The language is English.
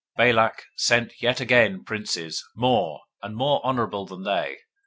022:015 Balak sent yet again princes, more, and more honorable than they.